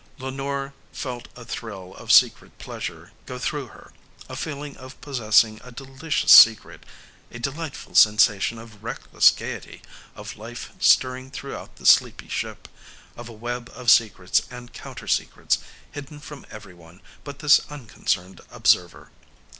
Lenore felt a thrill of secret pleasure go through her, a feeling of possessing a delicious secret, a delightful sensation of reckless gaiety, of life stirring throughout the sleepy ship, of a web of secrets and countersecrets hidden from everyone but this unconcerned observer.